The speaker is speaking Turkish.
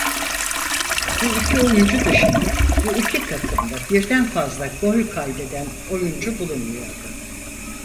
Bu iki oyuncu dışında bu iki takımda birden fazla gol kaydeden oyuncu bulunmuyordu.